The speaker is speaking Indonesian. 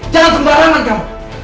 jangan sembarangan kamu